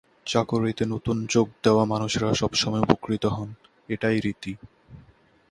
চাকরিতে নতুন যোগ দেওয়া মানুষেরা সব সময় উপকৃত হন, এটাই রীতি।